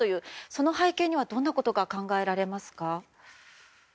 その背景にはどんなことが考えられますか？